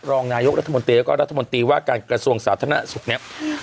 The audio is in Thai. รองนายกรัฐมนตรีแล้วก็รัฐมนตรีว่าการกระทรวงสาธารณสุขเนี่ย